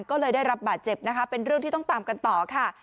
ก็เลยได้รับบาดเจ็บนะคะเป็นเรื่องที่ต้องตามกันต่อค่ะ